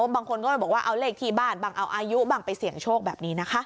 บางคนก็บอกว่าเอาเลขที่บ้านบางเอาอายุบางไปเสี่ยงโชครับ